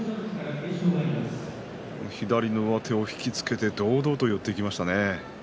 左の上手を引き付けて堂々と寄っていきましたね。